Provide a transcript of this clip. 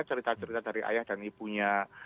cerita cerita dari ayah dan ibunya